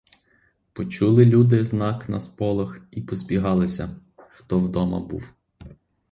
Почули люди знак на сполох і позбігалися, хто вдома був.